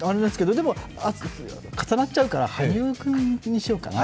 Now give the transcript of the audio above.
私も、重なっちゃうから羽生君にしようかな。